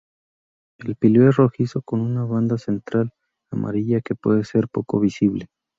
El píleo es rojizo con una banda central amarilla, que puede ser poco visible.